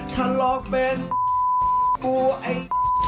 ทะลอกเป็นไอ้